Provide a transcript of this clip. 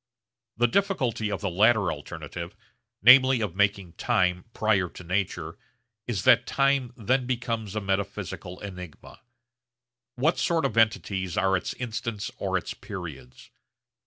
The difficulty of the latter alternative namely of making time prior to nature is that time then becomes a metaphysical enigma. What sort of entities are its instants or its periods?